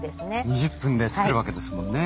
２０分で作るわけですもんね。